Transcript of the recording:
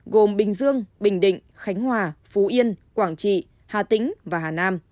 gồm bình dương bình định khánh hòa phú yên quảng trị hà tĩnh và hà nam